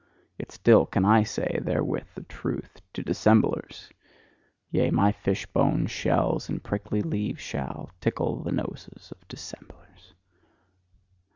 Yet still can I say therewith the truth to dissemblers! Yea, my fish bones, shells, and prickly leaves shall tickle the noses of dissemblers!